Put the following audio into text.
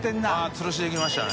つるしできましたね。